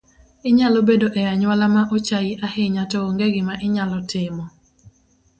Inyalo bedo e anyuola maochaii ahinya to ong’e gima inyalo timo